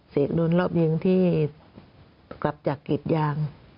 เศกโดนรอบยิงที่กลับจากกิจยาง